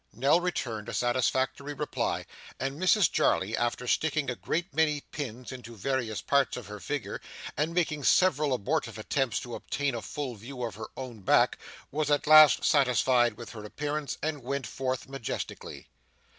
Nell returned a satisfactory reply, and Mrs Jarley, after sticking a great many pins into various parts of her figure, and making several abortive attempts to obtain a full view of her own back, was at last satisfied with her appearance, and went forth majestically.